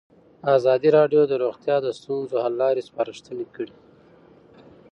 ازادي راډیو د روغتیا د ستونزو حل لارې سپارښتنې کړي.